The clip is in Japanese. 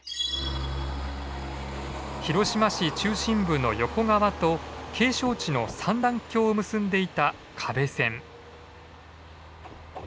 広島市中心部の横川と景勝地の三段峡を結んでいた可部線。